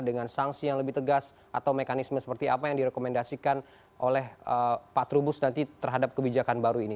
dengan sanksi yang lebih tegas atau mekanisme seperti apa yang direkomendasikan oleh pak trubus nanti terhadap kebijakan baru ini